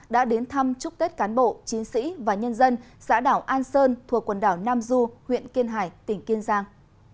đã đến thăm chúc tết cán bộ chiến sĩ và nhân dân xã đảo an sơn thuộc quần đảo nam du huyện kiên hải tỉnh kiên giang